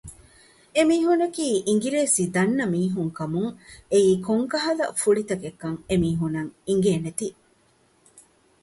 އެމީހުންނަކީ އިނގިރޭސި ދަންނަ މީހުން ކަމުން އެއީ ކޮންކަހަލަ ފުޅި ތަކެއްކަން އެމީހުންނަށް އިނގޭނެތީ